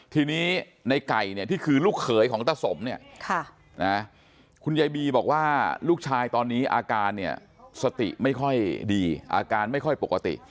ทีนี้ในไก่เนี่ยที่คือลูกเขยของตาสมเนี่ยคุณยายบีบอกว่าลูกชายตอนนี้อาการเนี่ยสติไม่ค่อยดีอาการไม่ค่อยปกติ